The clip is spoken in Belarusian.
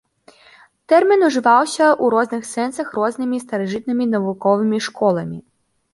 Тэрмін ужываўся ў розных сэнсах рознымі старажытнымі навуковымі школамі.